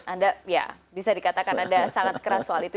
anda ya bisa dikatakan anda sangat keras soal itu